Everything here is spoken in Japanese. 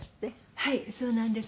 はいそうなんです。